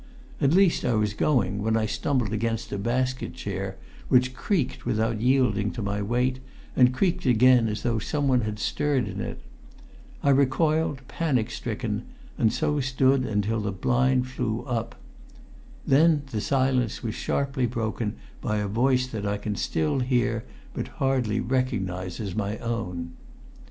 At least I was going when I stumbled against a basket chair, which creaked without yielding to my weight, and creaked again as though some one had stirred in it. I recoiled, panic stricken, and so stood until the blind flew up. Then the silence was sharply broken by a voice that I can still hear but hardly recognise as my own.